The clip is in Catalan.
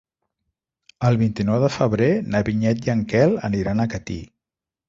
El vint-i-nou de febrer na Vinyet i en Quel aniran a Catí.